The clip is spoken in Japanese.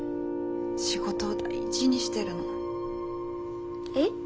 仕事を大事にしてるの。え？